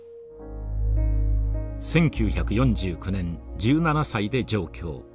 １９４９年１７歳で上京。